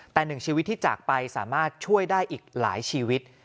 แต่หนึ่งชีวิตที่จากไปสามารถช่วยได้อีกหลายชีวิต